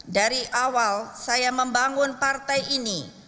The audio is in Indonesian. dari awal saya membangun partai ini